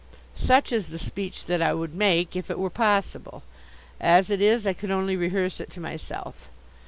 Such is the speech that I would make if it were possible. As it is, I can only rehearse it to myself.